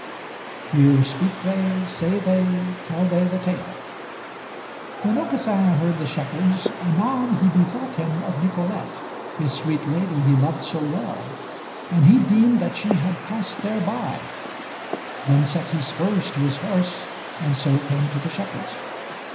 Here speak they, say they, tell they the Tale: When Aucassin heard the shepherds, anon he bethought him of Nicolete, his sweet lady he loved so well, and he deemed that she had passed thereby; then set he spurs to his horse, and so came to the shepherds.